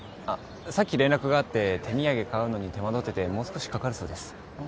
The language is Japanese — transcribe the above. さっき連絡があって手土産買うのに手間取っててもう少しかかるそうです